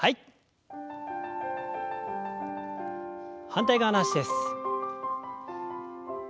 反対側の脚です。